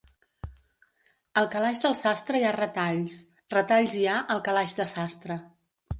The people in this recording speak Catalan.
Al calaix del sastre hi ha retalls, retalls hi ha al calaix de sastre.